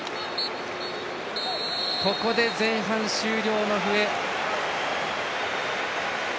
ここで前半終了の笛。